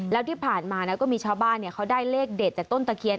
แล้วที่ผ่านมาก็มีชาวบ้านเขาได้เลขเด็ดจากต้นตะเคียน